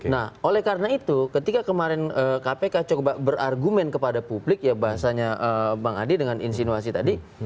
nah oleh karena itu ketika kemarin kpk coba berargumen kepada publik ya bahasanya bang adi dengan insinuasi tadi